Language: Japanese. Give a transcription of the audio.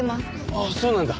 ああそうなんだ。